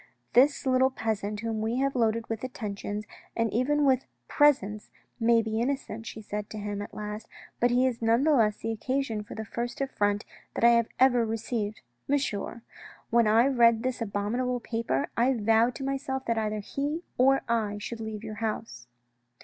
" This little peasant whom we have loaded with attentions, and even with presents, may be innocent," she said to him at last, " but he is none the less the occasion of the first affront that I have ever received. Monsieur, when I read this abominable paper, I vowed to myself that either he or I should leave your house."